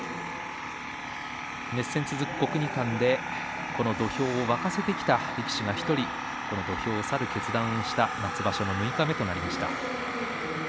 熱戦が続く国技館でこの土俵を沸かせてきた力士が１人、土俵を去る決断をした夏場所の六日目です。